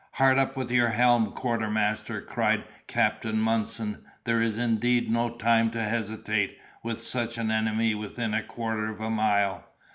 "Hard up with your helm, quartermaster!" cried Captain Munson; "there is indeed no time to hesitate, with such an enemy within a quarter of a mile!